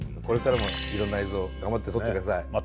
これからもいろんな映像頑張って撮ってください。